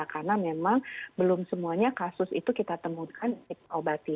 karena memang belum semuanya kasus itu kita temukan obati